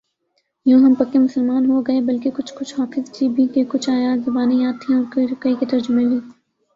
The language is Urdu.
یوں ہم پکے مسلمان ہوگئے بلکہ کچھ کچھ حافظ جی بھی کہ کچھ آیات زبانی یاد تھیں اور کئی کے ترجمے بھی